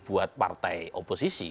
buat partai oposisi